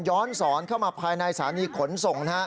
้อนสอนเข้ามาภายในสถานีขนส่ง